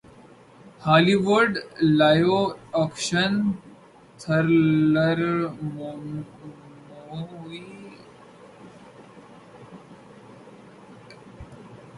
ہالی would live action thriller movie lady and the Trump